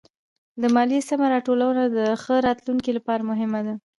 د ماليې سمه راټولونه د ښه راتلونکي لپاره مهمه ده.